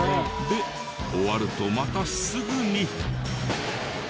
で終わるとまたすぐに。